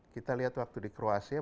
kita lihat waktu di kroasia